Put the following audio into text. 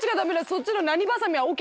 そっちの。